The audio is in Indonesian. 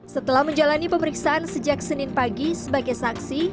setelah menjalani pemeriksaan sejak senin pagi sebagai saksi